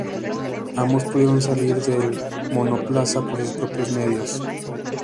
Ambos pudieron salir del monoplaza por sus propios medios.